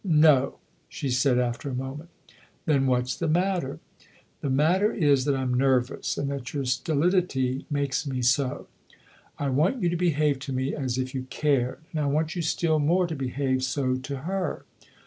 " No !" she said after a moment. " Then what's the matter ?" "The matter is that I'm nervous, and that your stolidity makes me so. I want you to behave to me as if you cared and I want you still more to behave so to her."